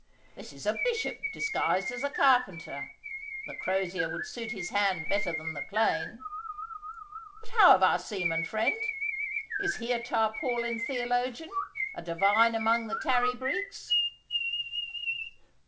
This is a bishop disguised as a carpenter. The crozier would suit his hand better than the plane. But how of our seaman friend? Is he a tarpaulin theologian a divine among the tarry breeks?